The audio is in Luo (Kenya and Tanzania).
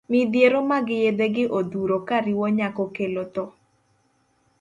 Midhiero mag yedhe gi odhuro kariwo nyako kelo tho.